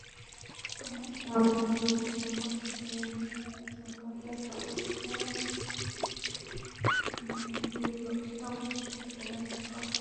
Donald Trump, মার্কিন শিল্পপতিআমি বোকাদের হাত থেকে বিপজ্জনক অস্ত্র দূরে রাখার পক্ষপাতী।